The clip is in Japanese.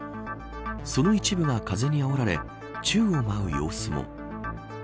その一部が風にあおられ宙を舞う様子も。